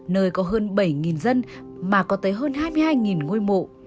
nơi có hơn bảy dân mà có tới hơn hai mươi hai ngôi mộ